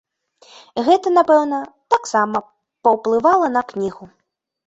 І гэта, напэўна, таксама паўплывала на кнігу.